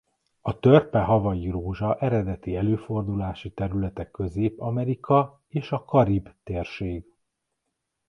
A törpe hawaii rózsa eredeti előfordulási területe Közép-Amerika és a Karib-térség.